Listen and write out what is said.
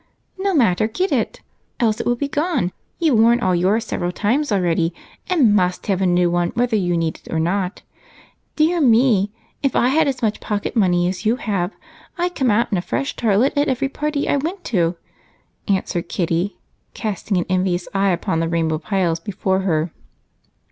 "No matter, get it, else it will be gone. You've worn all yours several times already and must have a new one whether you need it or not. Dear me! If I had as much pocket money as you have, I'd come out in a fresh toilet at every party I went to," answered Kitty, casting an envious eye upon the rainbow piles before her.